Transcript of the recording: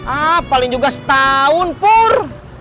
ah paling juga setahun por